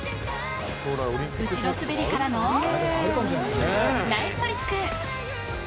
後ろ滑りからのナイストリック。